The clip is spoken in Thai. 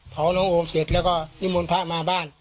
น้องโอมเสร็จแล้วก็นิมนต์พระมาบ้าน